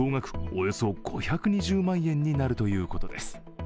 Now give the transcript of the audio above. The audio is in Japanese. およそ５２０万円になるということです。